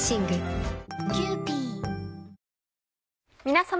皆様。